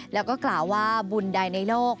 แล้วก็กล่าวว่าบุญใดในโลก